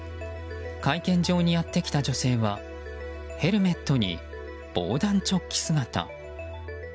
会見場にやってきた女性はヘルメットに防弾チョッキ姿。